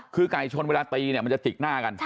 คือไก่ชนเวลาตีมันจะติกหน้ากัน